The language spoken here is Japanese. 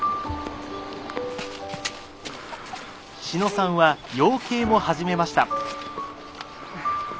志野さんは養鶏も始めました。